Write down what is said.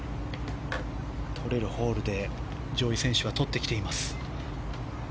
とれるホールで上位選手はとってきています。